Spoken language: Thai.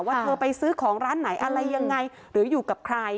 เธอไปซื้อของร้านไหนอะไรยังไงหรืออยู่กับใคร